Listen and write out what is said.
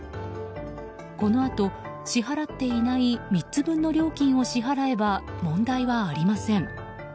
このあと、支払っていない３つ分の料金を支払えば問題はありません。